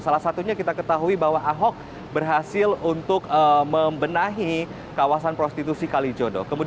salah satunya kita ketahui bahwa ahok berhasil untuk membenahi kawasan prostitusi kalijodo